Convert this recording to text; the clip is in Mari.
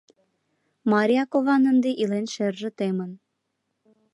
Марья кован ынде илен шерже темын.